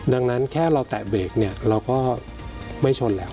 ดังนั้นแค่เราแตะเบรกเนี่ยเราก็ไม่ชนแล้ว